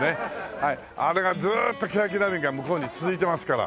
あれがずーっとけやき並木が向こうに続いてますから。